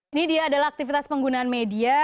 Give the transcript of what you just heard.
ini dia adalah aktivitas penggunaan media